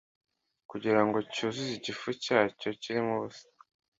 kugira ngo cyuzuze igifu cyacyo kirimo ubusa